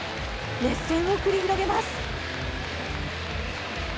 熱戦を繰り広げます。